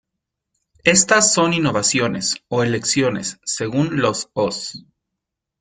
Estas son innovaciones o elecciones, según los os.